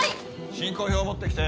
進行表持ってきて。